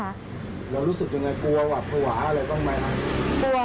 เรารู้สึกยังไงกลัวความหวาอะไรต้องไหม